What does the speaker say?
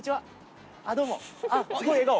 すごい笑顔。